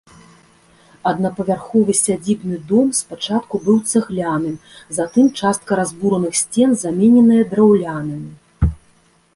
Аднапавярховы сядзібны дом спачатку быў цагляным, затым частка разбураных сцен замененая драўлянымі.